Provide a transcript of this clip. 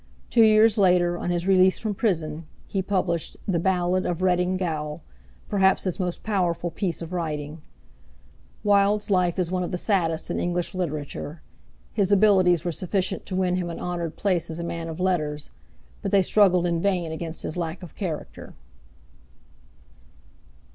Two years later, on his release from prison, he published The Ballad of Reading Gaol, perhaps his most powerful piece of writing. Wilde's life is one of the saddest in English literature. His abilities were sufficient to win him an honoured place as a man of letters, but they struggled in vain against his lack of character.